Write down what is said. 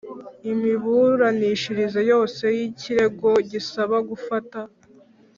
Imiburanishirize yose y ikirego gisaba gufata